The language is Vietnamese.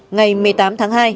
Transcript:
ngày một mươi tám tháng hai